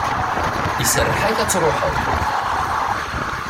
Iserreḥ-ak ad truḥeḍ.